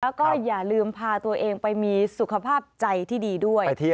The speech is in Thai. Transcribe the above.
แล้วก็อย่าลืมพาตัวเองไปมีสุขภาพใจที่ดีด้วย